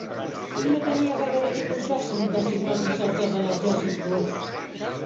Qui no tenia gaire dificultats en desxifrar els missatges de l'exèrcit rus?